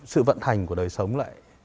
sự vận hành của đời sống lại